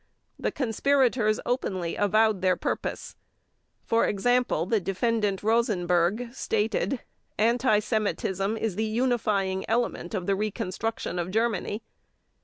The conspirators openly avowed their purpose. For example, the Defendant ROSENBERG stated: "Anti Semitism is the unifying element of the reconstruction of Germany."